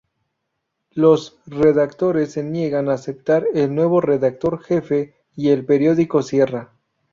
Los redactores se niegan a aceptar al nuevo redactor-jefe y el periódico cierra.